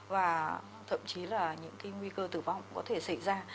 và thậm chí là những cái nguy cơ tử vong có thể xảy ra